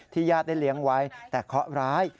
ญาติได้เลี้ยงไว้แต่เคาะร้าย